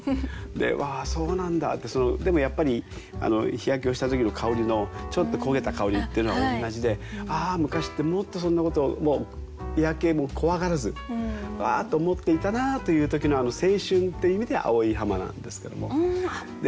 でうわそうなんだってでもやっぱり日焼けをした時の香りのちょっと焦げた香りっていうのは同じでああ昔ってもっとそんなこと日焼けも怖がらずわあって思っていたなという時の青春っていう意味で「青い浜」なんですけども。